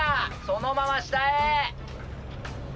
そのまま下へ。